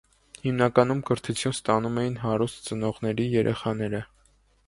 Հիմնականում կրթություն ստանւմ էին հարուստ ծնողների երեխաները։